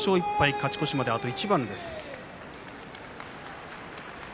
勝ち越しまであと一番です。